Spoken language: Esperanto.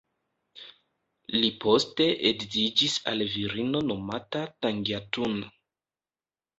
Li poste edziĝis al virino nomata Tangiatun.